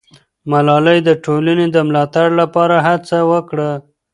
ملالۍ د ټولنې د ملاتړ لپاره هڅه وکړه.